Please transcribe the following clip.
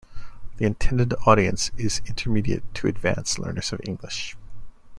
The intended audience is intermediate to advanced learners of English.